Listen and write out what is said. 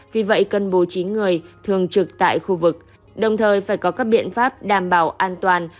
vì vậy cần bố trí người thường trực tại khu vực đồng thời phải có các biện pháp đảm bảo an toàn